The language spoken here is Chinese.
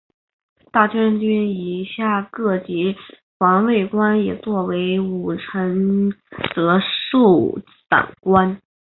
大将军以下各级环卫官也作为武臣责授散官。